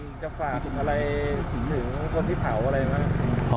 พี่สมิทร์จะฝากอะไรสิ่งหนึ่งคนที่เผาอะไรบ้าง